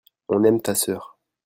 on aime ta sœur.